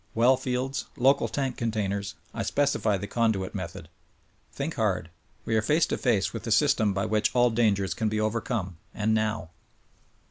Well fields, local tank containers — I specify the conduit met'hod. Think hard ! We are face to face with the system by which all dangers can be overcome, and now